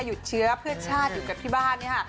หยุดเชื้อเพื่อชาติอยู่กับที่บ้านเนี่ยค่ะ